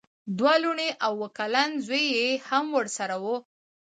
دوه لوڼې او اوه کلن زوی یې هم ورسره وو.